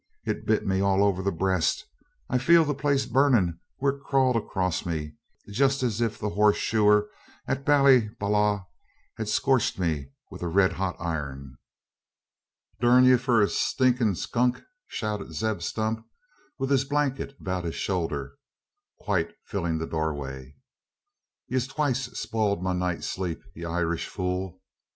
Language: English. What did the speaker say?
It's bit me all over the breast. I feel the place burnin' where it crawled across me, just as if the horse shoer at Ballyballagh had scorched me wid a rid hot iron!" "Durn ye for a stinkin' skunk!" shouted Zeb Stump, with his blanket about his shoulder, quite filling the doorway. "Ye've twicest spiled my night's sleep, ye Irish fool!